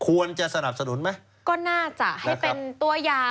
สนับสนุนไหมก็น่าจะให้เป็นตัวอย่าง